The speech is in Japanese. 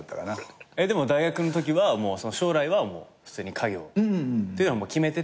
でも大学のときは将来は普通に家業っていうのは決めてて。